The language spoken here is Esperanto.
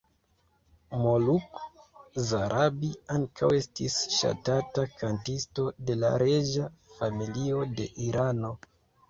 Moluk Zarabi ankaŭ estis ŝatata kantisto de la reĝa familio de Irano.